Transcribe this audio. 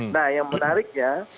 nah yang menariknya